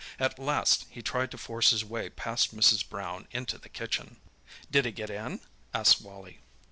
At last he tried to force his way past Mrs. Brown into the kitchen." "Did he get in?" asked Wally.